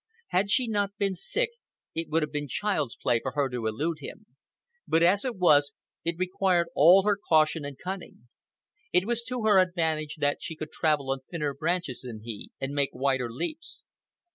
Had she not been sick it would have been child's play for her to elude him; but as it was, it required all her caution and cunning. It was to her advantage that she could travel on thinner branches than he, and make wider leaps.